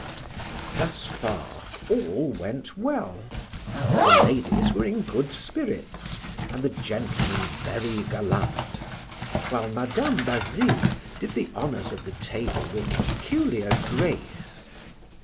Thus far all went well; the ladies were in good spirits, and the gentlemen very gallant, while Madam Basile did the honors of the table with peculiar grace.